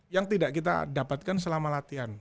yang tidak kita dapatkan selama latihan